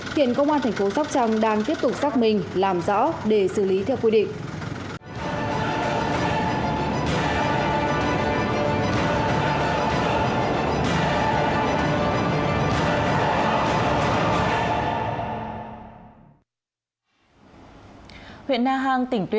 hiện công an thành phố sóc trăng đang tiếp tục xác minh làm rõ để xử lý theo quy định